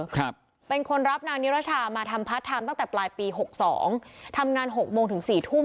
ครับเป็นคนรับนางนิรชามาทำพาร์ทไทม์ตั้งแต่ปลายปีหกสองทำงานหกโมงถึงสี่ทุ่ม